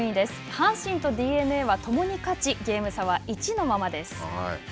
阪神とＤｅＮＡは共に勝ちゲーム差は１のままです。